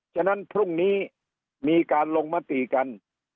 ฉะนั้นพรุ่งนี้มีการลงมติกัน